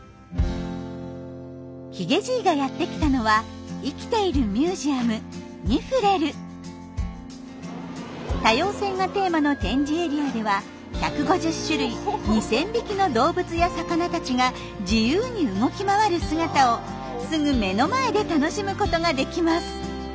ヒゲじいがやってきたのは多様性がテーマの展示エリアでは１５０種類２，０００匹の動物や魚たちが自由に動き回る姿をすぐ目の前で楽しむことができます。